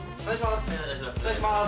まずお願いします